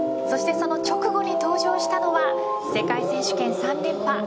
そしてその直後に登場したのは世界選手権３連覇